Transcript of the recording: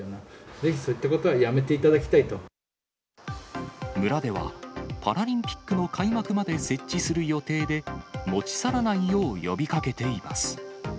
ぜひそういったことはやめていた村では、パラリンピックの開幕まで設置する予定で、持ち去らないよう呼びかけています。